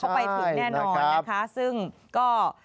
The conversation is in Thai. ไปถึงแน่นอนนะคะซึ่งก็